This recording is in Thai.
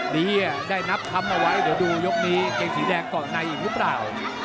นี่อ่ะได้นับคำเอาไว้เดี๋ยวดูยกนี้เกรงสีแดงก่อนในหรือเปล่า